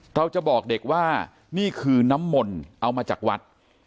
เราจะบอกเด็กว่านี่คือน้ำมนต์เอามาจากวัด